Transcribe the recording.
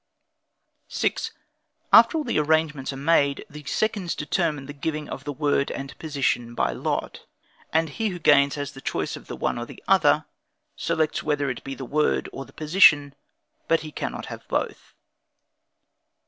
6. After all the arrangements are made, the seconds determine the giving of the word and position, by lot; and he who gains has the choice of the one or the other, selects whether it be the word or the position, but he cannot have both.